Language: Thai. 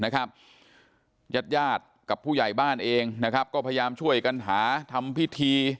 ญาติญาติกับผู้ใหญ่บ้านเองนะครับก็พยายามช่วยกันหาทำพิธี